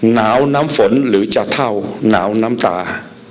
หนาวน้ำฝนหรือจะเท่าหนาวน้ำตา